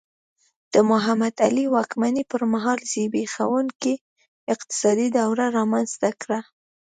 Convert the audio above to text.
د محمد علي واکمنۍ پر مهال زبېښونکي اقتصاد دوره رامنځته کړه.